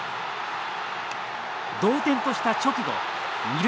同点とした直後二塁